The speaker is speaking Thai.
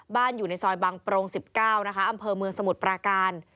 อยู่ในซอยบังโปรง๑๙นะคะอำเภอเมืองสมุทรปราการ